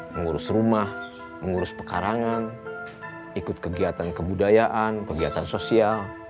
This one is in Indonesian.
mengurus rumah mengurus pekarangan ikut kegiatan kebudayaan kegiatan sosial